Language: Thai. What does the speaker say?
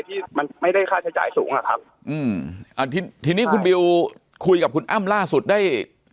ที่มันไม่ได้ค่าใช้จ่ายสูงอ่ะครับอืมอ่าทีนี้คุณบิวคุยกับคุณอ้ำล่าสุดได้